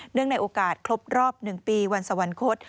ในโอกาสครบรอบ๑ปีวันสวรรคต